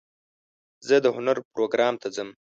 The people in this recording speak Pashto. زه د هنر پروګرام ته ځم.